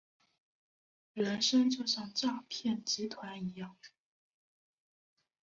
人生就像当诈骗集团一样